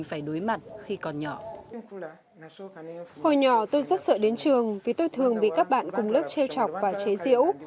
hồi nhỏ tôi rất sợ đến trường vì tôi thường bị các bạn cùng lớp treo chọc và chế diễu